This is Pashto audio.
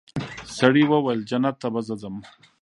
سړي وویل جنت ته به زه ځمه